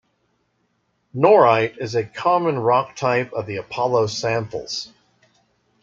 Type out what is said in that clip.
Norite is a common rock type of the Apollo samples.